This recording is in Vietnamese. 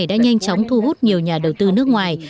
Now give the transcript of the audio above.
đã nhanh chóng thu hút nhiều nhà đầu tư nước ngoài